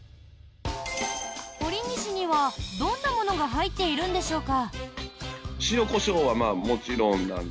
ほりにしには、どんなものが入っているんでしょうか？